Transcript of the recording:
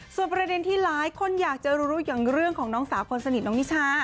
ส่วนประเด็นที่หลายคนอยากจะรู้อย่างเรื่องของน้องสาวคนสนิทน้องนิชา